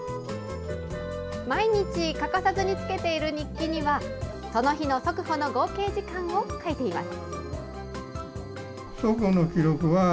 毎日欠かさずにつけている日記には、その日の速歩の合計時間を書いています。